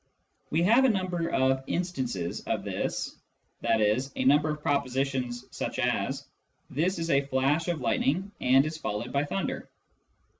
We have a number of " instances " of this, i.e. a number of propositions such as :" this is a flash of lightning and is followed by thunder."